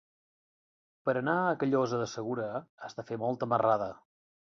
Per anar a Callosa de Segura has de fer molta marrada.